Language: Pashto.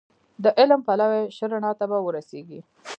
د علم پلوی شه رڼا ته به ورسېږې